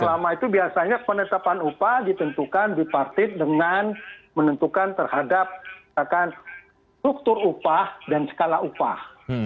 selama itu biasanya penetapan upah ditentukan di partit dengan menentukan terhadap struktur upah dan skala upah